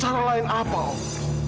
cara lain apa om